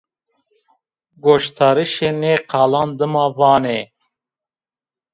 Goşdaritişê nê qalan dima vanê